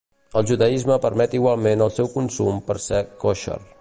El judaisme permet igualment el seu consum per ser kosher.